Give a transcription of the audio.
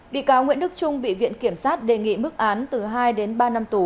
bị cáo nguyễn đức trung bị viện kiểm sát đề nghị mức án từ hai đến ba năm tù